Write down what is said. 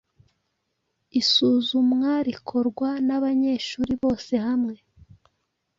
Isuzumwa rikorwa n’abanyeshuri bose hamwe